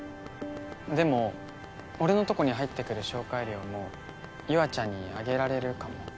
でも俺のとこに入ってくる紹介料も優愛ちゃんにあげられるかも。